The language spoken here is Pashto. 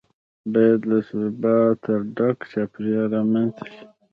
باید له ثباته ډک چاپیریال رامنځته شي.